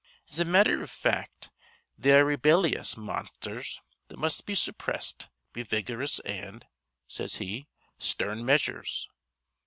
As a matther iv fact they are rebellyous monsthers that must be suppressed be vigorous an',' says he, 'stern measures.